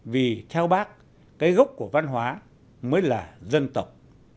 vì theo bác cái gốc của văn hóa mới là dân tộc